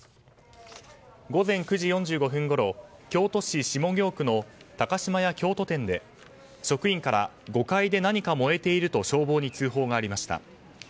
午前９時４５分ごろ京都市下京区の高島屋京都店で職員から５階で何か燃えていると消防に通報がありました。